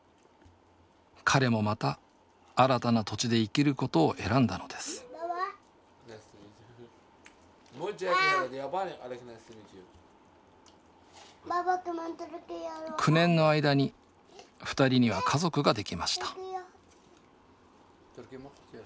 彼もまた新たな土地で生きることを選んだのです９年の間に２人には家族ができました